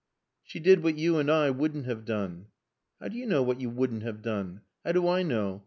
"She did what you and I wouldn't have done." "How do you know what you wouldn't have done? How do I know?